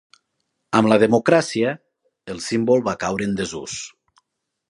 Amb la democràcia, el símbol va caure en desús.